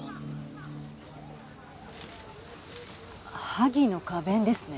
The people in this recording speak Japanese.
萩の花弁ですね。